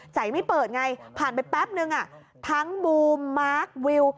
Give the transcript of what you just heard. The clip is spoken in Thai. ไม่เปิดไงผ่านไปแป๊บนึงทั้งบูมมาร์ควิว